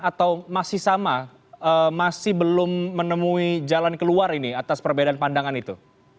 atau masih sama masih belum menemui jalan keluar ini atas perbedaan pandangan itu